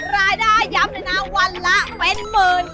รายได้ย้ำในหน้าวันละเว้นหมื่น